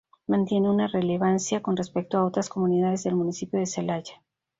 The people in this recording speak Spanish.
Mantiene una relevancia con respecto a otras comunidades del municipio de Celaya.